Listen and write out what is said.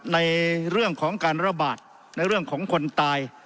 ในเรื่องของการระบาดในเรื่องของคนตาย